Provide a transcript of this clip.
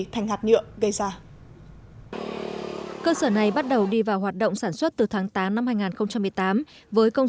thành hạt nhựa gây ra cơ sở này bắt đầu đi vào hoạt động sản xuất từ tháng tám năm hai nghìn một mươi tám với công